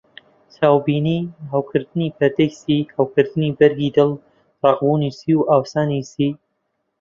چاوبینی: هەوکردنی پەردەی سی، هەوکردنی بەرگی دڵ، ڕەقبوونی سی و ئاوسانی سی.